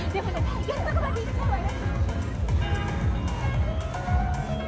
いけるとこまでいっちゃうわよ。